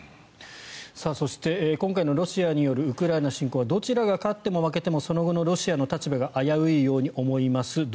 そして、今回のロシアによるウクライナ侵攻はどちらが勝っても負けてもその後のロシアの立場が危ういように思います